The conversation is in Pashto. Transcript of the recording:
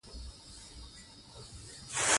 وږی تږی وي رنځور وي لېونی وي